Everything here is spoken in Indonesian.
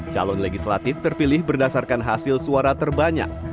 calon legislatif terpilih berdasarkan hasil suara terbanyak